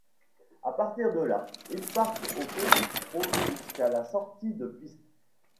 À partir de là, ils partent au petit trot jusqu'à la sortie de piste.